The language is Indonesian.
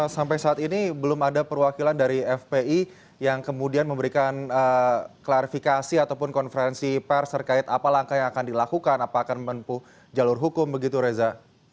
sampai saat ini belum ada perwakilan dari fpi yang kemudian memberikan klarifikasi ataupun konferensi pers terkait apa langkah yang akan dilakukan apa akan menempuh jalur hukum begitu reza